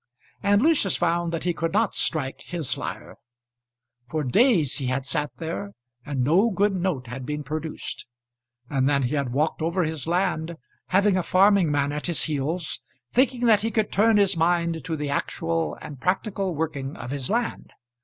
And Lucius found that he could not strike his lyre. For days he had sat there and no good note had been produced. And then he had walked over his land, having a farming man at his heels, thinking that he could turn his mind to the actual and practical working of his land.